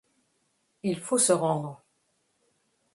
Il faut se rendre.